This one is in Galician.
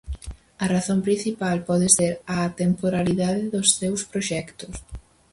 A razón principal pode ser a atemporalidade dos seus proxectos.